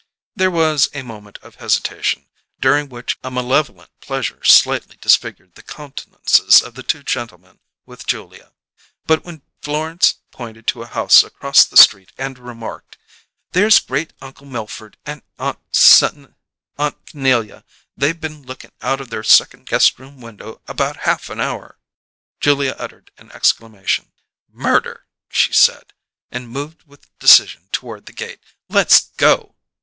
There was a moment of hesitation, during which a malevolent pleasure slightly disfigured the countenances of the two gentlemen with Julia; but when Florence pointed to a house across the street and remarked, "There's Great Uncle Milford and Aunt C'nelia; they been lookin' out of their second guestroom window about half an hour," Julia uttered an exclamation. "Murder!" she said, and moved with decision toward the gate. "Let's go!"